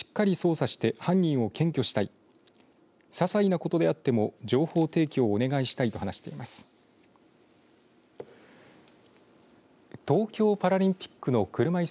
ささいなことであっても情報提供をお願いしたいと話しています。